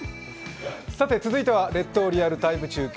続いては「列島リアルタイム中継」。